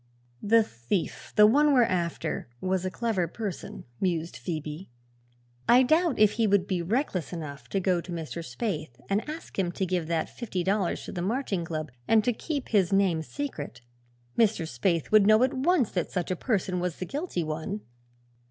"The thief the one we're after was a clever person," mused Phoebe. "I doubt if he would be reckless enough to go to Mr. Spaythe and ask him to give that fifty dollars to the Marching Club and to keep his name secret. Mr. Spaythe would know at once that such a person was the guilty one.